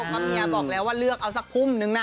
เพราะเมียบอกแล้วว่าเลือกเอาสักพุ่มนึงนะ